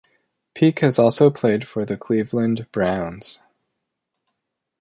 Peek has also played for the Cleveland Browns.